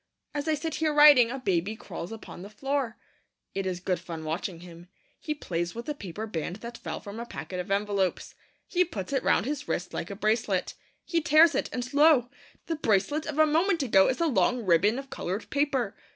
As I sit here writing, a baby crawls upon the floor. It is good fun watching him. He plays with the paper band that fell from a packet of envelopes. He puts it round his wrist like a bracelet. He tears it, and lo, the bracelet of a moment ago is a long ribbon of coloured paper.